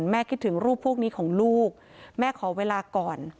คิดถึงรูปพวกนี้ของลูกแม่ขอเวลาก่อน